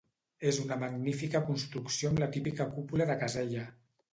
És una magnífica construcció amb la típica cúpula de casella.